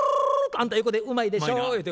あんた横で「うまいでしょ」言うて。